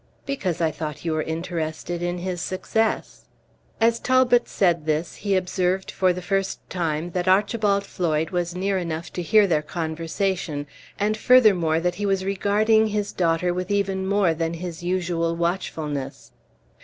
"Because I thought you were interested in his success." As Talbot said this, he observed, for the first time, that Archibald Floyd was near enough to hear their conversation, and, furthermore, that he was regarding his daughter with even more than his usual watchfulness.